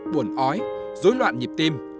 buồn ói rối loạn nhịp tim